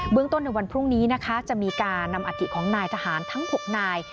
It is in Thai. เรื่องต้นในวันพรุ่งนี้นะคะจะมีการนำอาธิของนายทหารทั้ง๖นาย